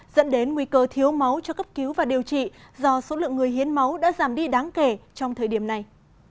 dẫn đến nguy cơ thiếu máu cho cấp cứu và điều trị do số lượng người hiến máu đã giảm đi đáng kể trong thời điểm này